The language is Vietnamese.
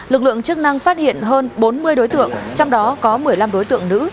lực lượng chức năng phát hiện hơn bốn mươi đối tượng trong đó có một mươi năm đối tượng nữ